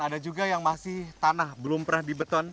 ada juga yang masih tanah belum pernah di beton